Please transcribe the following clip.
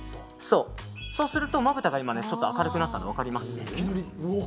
そうするとまぶたがちょっと明るくなったのが分かります？